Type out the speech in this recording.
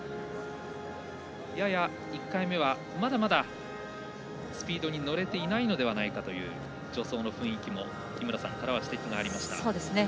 やや１回目はまだまだスピードに乗れていないのではないかという助走の雰囲気も井村さんからは指摘がありました。